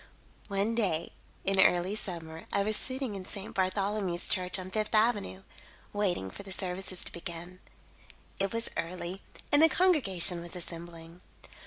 "One day, in early summer, I was sitting in St. Bartholomew's Church on Fifth Avenue, waiting for the services to begin. It was early and the congregation was assembling.